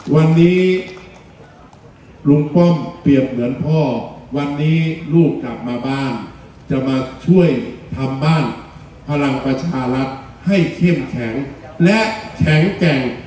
วันนี้ลุงป้อมเปรียบเหมือนพ่อวันนี้ลูกกลับมาบ้านจะมาช่วยทำบ้านพลังประชารัฐให้เข้มแข็งและแข็งแกร่ง